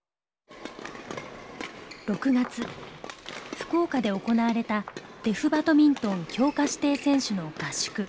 福岡で行われたデフバドミントン強化指定選手の合宿。